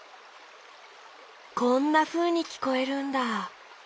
こんなふうにきこえるんだ。